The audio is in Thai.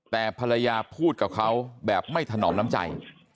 แต่ภรรยาพูดกับเขาแบบไม่ถนอมน้ำใจ